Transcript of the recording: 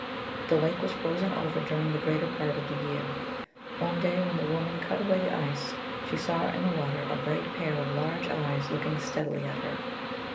The lake was frozen over during the greater part of the year. One day when the woman cut away the ice, she saw in the water a bright pair of large eyes looking steadily at her.